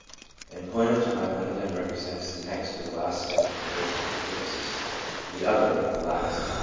In point of time one of them represents the next to the last step in the growth of empiricism ; the other, the last.